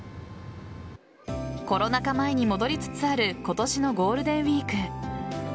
コロナ禍前に戻りつつある今年のゴールデンウイーク。